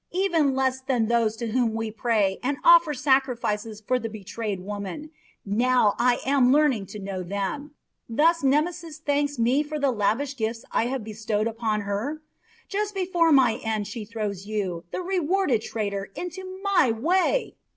Even less than those to whom we pray and offer sacrifices for the betrayed woman. Now I am learning to know them! Thus Nemesis thanks me for the lavish gifts I have bestowed upon her? Just before my end she throws you, the rewarded traitor, into my way!